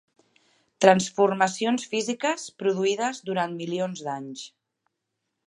Transformacions físiques, produïdes durant milions d'anys.